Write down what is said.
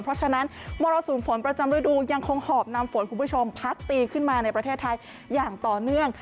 เพราะฉะนั้นมรสุมฝนประจำฤดูยังคงหอบนำฝนคุณผู้ชมพัดตีขึ้นมาในประเทศไทยอย่างต่อเนื่อง